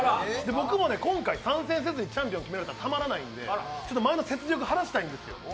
僕も今回、参戦せずにチャンピオン決めるって納得できないんで前の雪辱を晴らしたいんですよ。